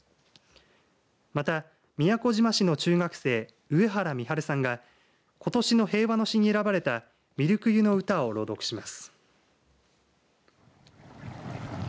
また、宮古島市の中学生上原美春さんがことしの平和の詩に選ばれたみるく世の謳を朗読します。